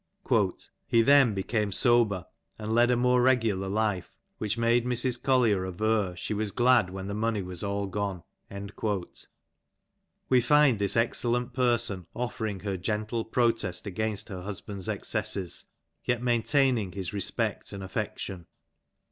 ^* He then became " sober and led a more regular life, which made Mrs. Collier aver *^ she was glad when the money was all gone.'*' We find this excel lent person offering her gentle protest against her husband's excesses, yet maintaining his respect and affection.